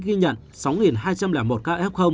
ghi nhận sáu hai trăm linh một ca f